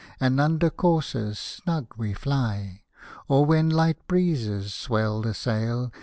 And under courses snug we fly ; Or when light breezes swell the sail.